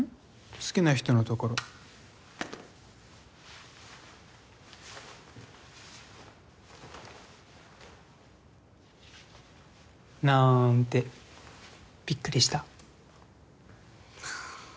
好きな人のところなんてびっくりした？